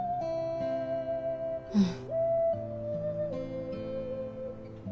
うん。